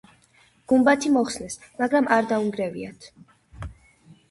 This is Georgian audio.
გუმბათი მოხსნეს, მაგრამ არ დაუნგრევიათ.